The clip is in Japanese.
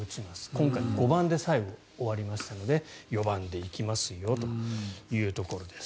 今回、５番で最後終わりましたので４番で行きますよというところです。